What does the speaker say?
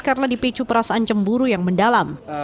karena dipicu perasaan cemburu yang mendalam